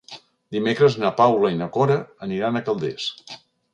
Dimecres na Paula i na Cora aniran a Calders.